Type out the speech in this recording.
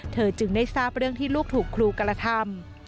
จึงได้ทราบเรื่องที่ลูกถูกครูกระทำ